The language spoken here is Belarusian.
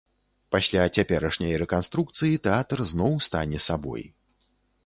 Пасля цяперашняй рэканструкцыі тэатр зноў стане сабой.